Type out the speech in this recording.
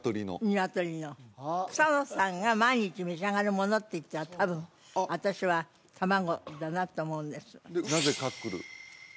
ニワトリの草野さんが毎日召し上がるものっていったら多分私は卵だなと思うんですなぜカックル？